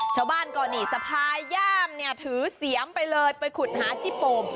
ชาวบ้านก็สะพาย่ามถือเสียมไปเลยไปขุดหาจี้โปม